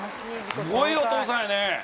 すごいお父さんやね。